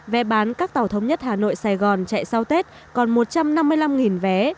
vé bán các tàu thống nhất hà nội sài gòn chạy sau tết còn một trăm năm mươi năm vé